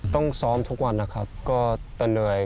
ต้องซ้อมทุกวันนะครับก็จะเหนื่อย